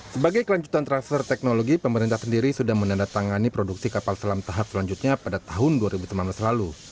sebagai kelanjutan transfer teknologi pemerintah sendiri sudah menandatangani produksi kapal selam tahap selanjutnya pada tahun dua ribu sembilan belas lalu